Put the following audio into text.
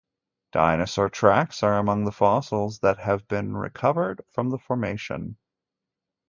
Dinosaur Tracks are among the fossils that have been recovered from the formation.